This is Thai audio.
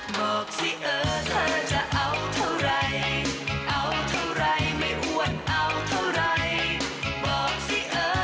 แว่นถามจริงสร้างปรูซ